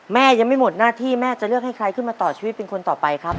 แม่ยังไม่หมดหน้าที่แม่จะเลือกให้ใครขึ้นมาต่อชีวิตเป็นคนต่อไปครับ